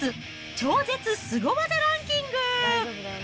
超絶スゴ技ランキング。